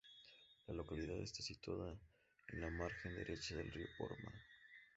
La localidad está situada en la margen derecha del río Porma.